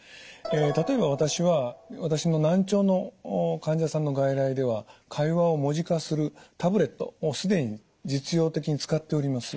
例えば私は私の難聴の患者さんの外来では会話を文字化するタブレットもう既に実用的に使っております。